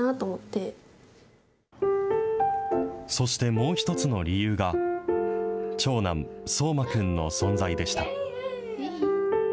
もう一つの理由が、長男、奏真くんの存在でした。